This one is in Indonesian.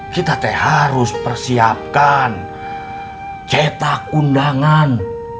kita harus persiapkan cetak undangan